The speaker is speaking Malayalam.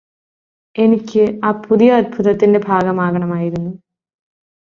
എനിക്ക് ആ പുതിയ അത്ഭുതത്തിന്റെ ഭാഗമാകണമായിരുന്നു